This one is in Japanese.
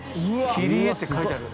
切り絵って書いてある。